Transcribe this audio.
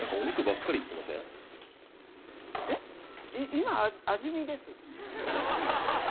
今味見です